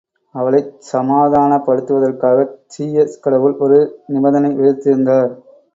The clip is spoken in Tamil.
அவளைச் சமாதானப்படுத்துவதற்காகச் சீயஸ் கடவுள் ஒரு நிபந்தனை விதித்திருந்தார்.